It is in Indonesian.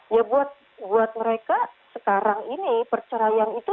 ya buat mereka sekarang ini perceraian itu